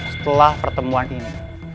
setelah pertemuan ini